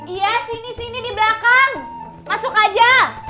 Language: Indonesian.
iya sini sini di belakang masuk aja